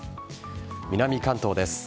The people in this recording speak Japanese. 南関東です。